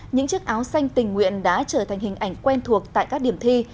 những chiếc áo xanh tình nguyện đã trở thành hình ảnh quen thuộc tại các điểm thi